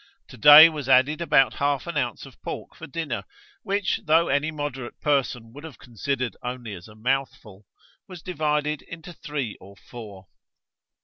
To day was added about half an ounce of pork for dinner, which, though any moderate person would have considered only as a mouthful, was divided into three or four.